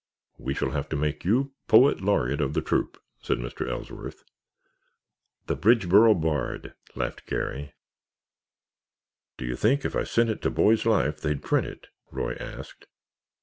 "We shall have to make you poet laureate of the troop," said Mr. Ellsworth. "The Bridgeboro Bard," laughed Garry. "Do you think if I sent it to Boys' Life they'd print it?" Roy asked.